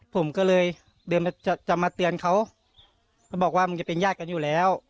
ผมก็เลยเดินจะมาเตือนเขาก็บอกว่ามึงจะเป็นญาติกันอยู่แล้ว